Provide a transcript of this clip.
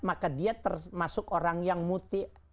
maka dia termasuk orang yang muti'